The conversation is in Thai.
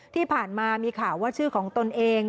ที่ผ่านมามีข่าวว่าชื่อของตนเอง